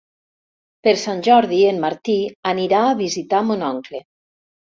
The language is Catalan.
Per Sant Jordi en Martí anirà a visitar mon oncle.